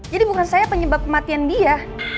jadi bukan saya penyebab kematian dia